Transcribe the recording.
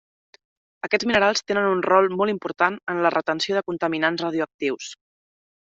Aquests minerals tenen un rol molt important en la retenció de contaminants radioactius.